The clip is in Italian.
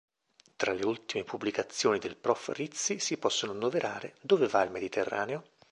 Tra le ultime pubblicazioni del prof. Rizzi, si possono annoverare "Dove va il Mediterraneo?